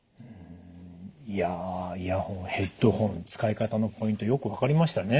いやイヤホンヘッドホン使い方のポイントよく分かりましたね。